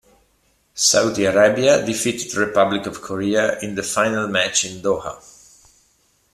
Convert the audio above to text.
Saudi Arabia defeated Republic of Korea in the final match in Doha.